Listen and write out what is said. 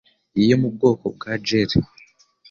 yo mu bwoko bwa gel